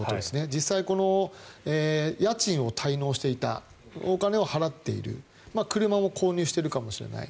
実際、家賃を滞納していたお金を払っている車も購入しているかもしれない。